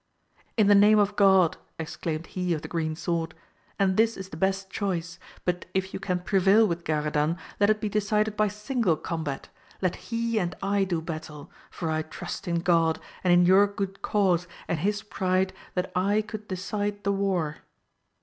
In the name of Grod ! exclaimed he of the green sword, and this is the best choice, but if you can prevail with Garadan let it be decided by single combat, let he and I do battle, for I trust in God, and in your good cause and his pride that I could decide the war.